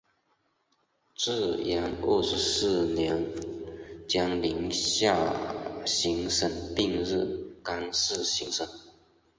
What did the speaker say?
至元二十四年将宁夏行省并入甘肃行省。